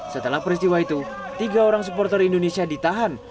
setelah peristiwa itu tiga orang supporter indonesia ditahan